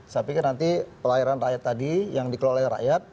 saya pikir nanti pelayaran rakyat tadi yang dikelola rakyat